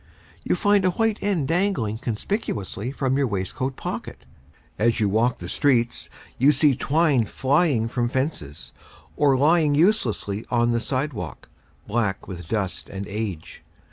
You find a white end dangling conspicuously from your waistcoat pocket. As you walk the streets you see twine flying from fences, or lying useless on the sidewalk, black with dust and age.